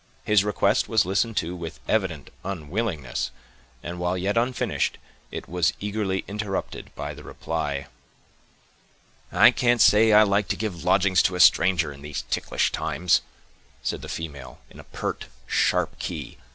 His request was listened to with evident unwillingness, and, while yet unfinished, it was eagerly interrupted by the reply: "I can't say I like to give lodgings to a stranger in these ticklish times," said the female, in a pert, sharp key.